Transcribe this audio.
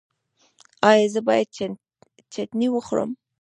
ایا زه باید چتني وخورم؟